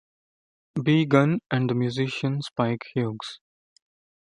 B. Gunn and the musician Spike Hughes.